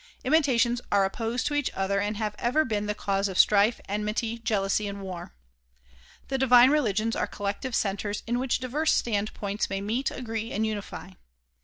Imitations are opposed to each other and have ever been the cause of strife, enmity, jealousy and war. The divine religions are collective centers in which diverse stand points may meet, agree and unify.